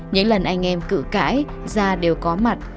những lần anh em cử cãi gia đều có mặt